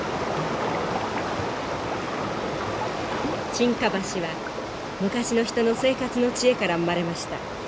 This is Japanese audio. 沈下橋は昔の人の生活の知恵から生まれました。